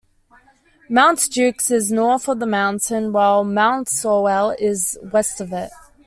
Mount Jukes is north of the mountain while Mount Sorell is west of it.